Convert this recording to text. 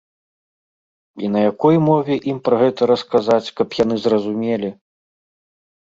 І на якой мове ім пра гэта расказаць, каб яны зразумелі?